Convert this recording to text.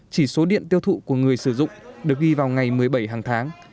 chỉ số điện tiêu thụ của người sử dụng được ghi vào ngày một mươi bảy hàng tháng